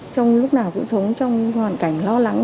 trong lúc nào cũng sống trong hoàn cảnh lo lắng